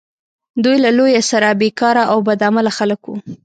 دوی له لویه سره بیکاره او بد عمله خلک وه.